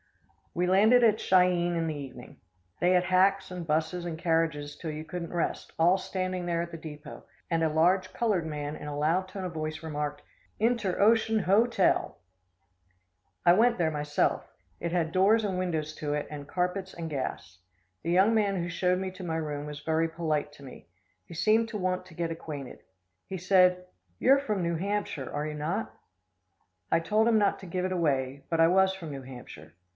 We landed at Chi eene in the evening. They had hacks and 'busses and carriages till you couldn't rest, all standing there at the depot, and a large colored man in a loud tone of voice remarked: "INTEROCEAN HO TEL!!!!" [Illustration: A REAL COWBOY.] I went there myself. It had doors and windows to it, and carpets and gas. The young man who showed me to my room was very polite to me. He seemed to want to get acquainted. He said: "You are from New Hampshire, are you not?" I told him not to give it away, but I was from New Hampshire.